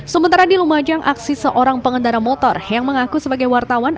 sementara di lumajang aksi seorang pengendara motor yang mengaku sebagai wartawan